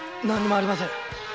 何もありません。